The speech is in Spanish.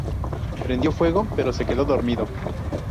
Prendió fuego pero se quedó dormido.